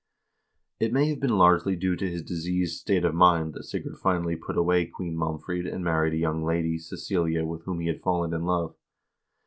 1 It may have been largely due to his diseased state of mind that Sigurd finally put away Queen Malmfrid, and married a young lady, Cecelia, with whom he had fallen in love.